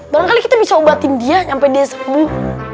barangkali kita bisa obatin dia sampai dia sembuh